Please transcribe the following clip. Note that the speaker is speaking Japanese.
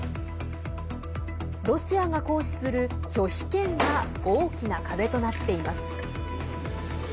ロシアが行使する拒否権が大きな壁となっています。